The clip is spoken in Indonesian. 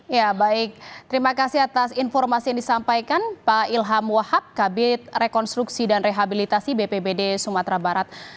ya baik terima kasih atas informasi yang disampaikan pak ilham wahab kabit rekonstruksi dan rehabilitasi bpbd sumatera barat